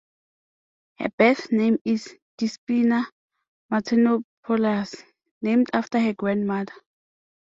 Her birth name is Despina Matenopoulos, named after her grandmother.